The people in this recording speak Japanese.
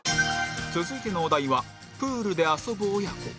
続いてのお題は「プールで遊ぶ親子」